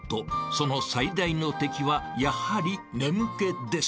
その最大の敵はやはり眠気です］